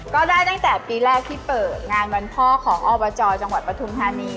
ก็ได้ตั้งแต่ปีแรกที่เปิดงานวันพ่อของอบจจังหวัดปทุมธานี